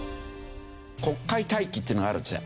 国会待機っていうのがあるんですね。